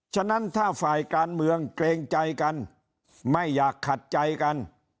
ฉะนั้นถ้าฝ่ายการเมืองเกรงใจกันไม่อยากขัดใจกัน